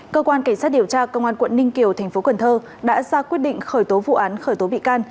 cơ quan cảnh sát điều tra công an quận ninh kiều tp cn đã ra quyết định khởi tố vụ án khởi tố bị can